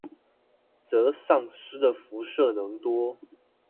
則喪失的輻射能多